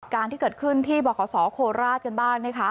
ปฏิบัชกรณีค่าที่เกิดขึ้นที่บัคเขาอโคราคกันบ้างนะคะ